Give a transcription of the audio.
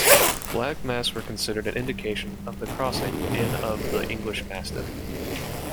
Black masks were considered an indication of the crossing in of the English Mastiff.